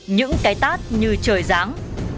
những cái tát như trời ráng